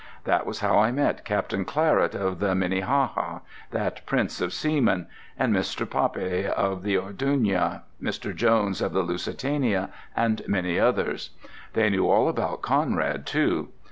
That was how I met Captain Claret of the Minnehaha, that prince of seamen; and Mr. Pape of the Orduña, Mr. Jones of the Lusitania and many another. They knew all about Conrad, too.